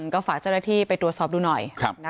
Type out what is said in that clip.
ก็ฝากเจ้าหน้าที่ไปตรวจสอบดูหน่อย